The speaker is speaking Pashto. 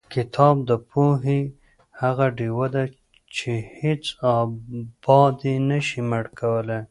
کتاب د پوهې هغه ډیوه ده چې هېڅ باد یې نشي مړ کولی.